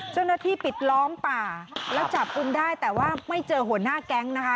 เจ้าหน้าที่ปิดล้อมป่าแล้วจับกุมได้แต่ว่าไม่เจอหัวหน้าแก๊งนะคะ